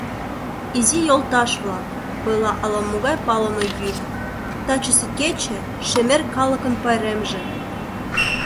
— Изи йолташ-влак, — ойла ала-могай палыме йӱк, — тачысе кече — шемер калыкын пайремже.